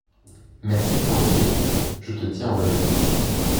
Merci pour l’idée, je te tiens au jus.